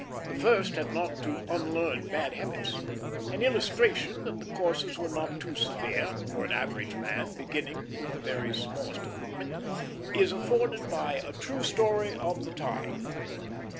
The first had not to unlearn bad habits. An illustration that the courses were not too severe, for an average man beginning with the very smallest equipment, is afforded by a true story of the time.